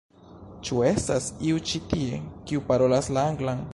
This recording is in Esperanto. Ĉu estas iu ĉi tie, kiu parolas la anglan?